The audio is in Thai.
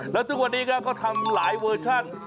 แล้วทุกวันนี้ก็ทำหลายเวอร์ชัน